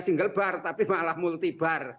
single bar tapi malah multi bar